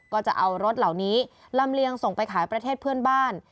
ก็จะเอารถเหล่านี้ลำเลียงส่งไปขายประเทศเพื่อนบ้าน